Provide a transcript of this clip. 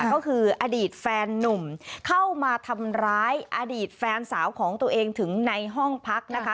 ก็คืออดีตแฟนนุ่มเข้ามาทำร้ายอดีตแฟนสาวของตัวเองถึงในห้องพักนะคะ